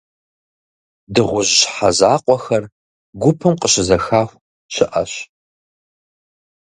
Дыгъужь щхьэ закъуэхэр гупым къыщызэхаху щыӏэщ.